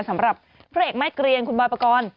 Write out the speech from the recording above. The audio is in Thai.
สำหรับพระเอกแม่เกลียนคุณบอยปกรณ์